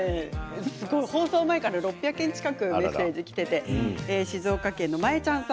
放送前から６００件近くメッセージがきていて静岡県の方。